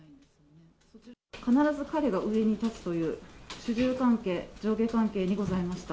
必ず彼が上に立つという主従関係、上下関係にございました。